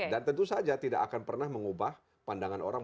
dan tentu saja tidak akan pernah mengubah pandangan orang